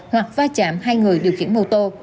hoặc va chạm hai người điều khiển mô tô